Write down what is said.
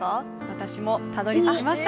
私もたどり着きました。